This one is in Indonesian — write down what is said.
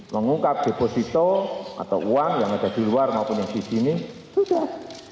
mengungkap deposito atau uang yang ada di luar maupun yang di sini sudah